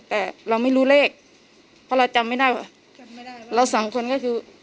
แต่เราไม่รู้เลขเพราะเราจำไม่ได้ว่าจำไม่ได้เราสองคนก็คือ